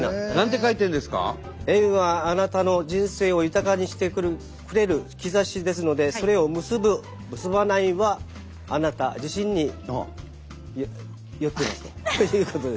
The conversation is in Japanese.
縁はあなたの人生を豊かにしてくれる兆しですのでそれを結ぶ結ばないはあなた自身によっているということですね。